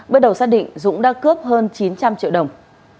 bước đầu xác định dũng đã cướp hơn chín trăm linh triệu đồng